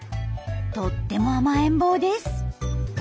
とっても甘えん坊です。